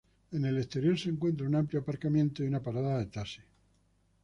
En el exterior se encuentra un amplio aparcamiento y una parada de taxis.